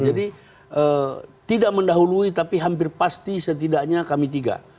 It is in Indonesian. jadi tidak mendahului tapi hampir pasti setidaknya kami tiga